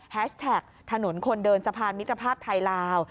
แท็กถนนคนเดินสะพานมิตรภาพไทยลาว